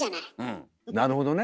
なるほどね。